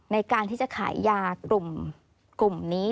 ในการที่จะขายยากลุ่มนี้